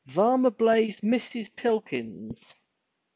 Varmer Blaize misses pilkins.